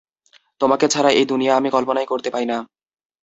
তোমাকে ছাড়া এই দুনিয়া আমি কল্পনাই করতে পাই না!